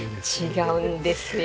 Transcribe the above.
違うんですよ